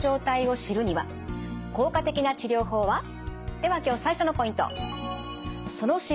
では今日最初のポイント。